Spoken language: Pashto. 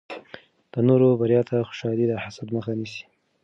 د نورو بریا ته خوشحالي د حسد مخه نیسي.